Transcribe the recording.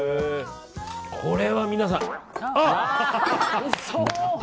これは皆さん、あっ。